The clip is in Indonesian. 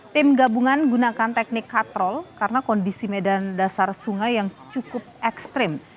tim gabungan gunakan teknik katrol karena kondisi medan dasar sungai yang cukup ekstrim